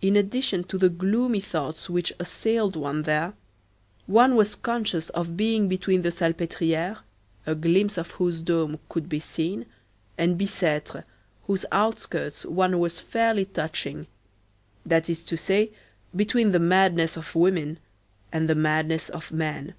In addition to the gloomy thoughts which assailed one there, one was conscious of being between the Salpêtrière, a glimpse of whose dome could be seen, and Bicêtre, whose outskirts one was fairly touching; that is to say, between the madness of women and the madness of men.